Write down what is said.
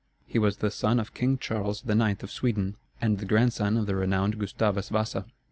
He was the son of King Charles IX. of Sweden, and the grandson of the renowned Gustavus Vasa.